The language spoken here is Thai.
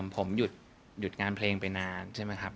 ผมหยุดงานเพลงไปนานใช่ไหมครับ